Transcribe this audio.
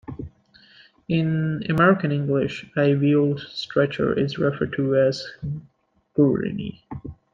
In American English, a wheeled stretcher is referred to as a gurney.